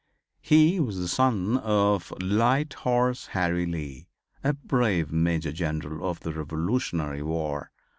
He was the son of "Light Horse Harry Lee," a brave Major General of the Revolutionary War.